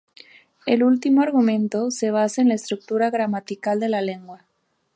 El último argumento se basa en la estructura gramatical de la lengua.